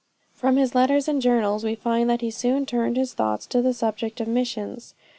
" From his letters and journals, we find that he soon turned his thoughts to the subject of missions.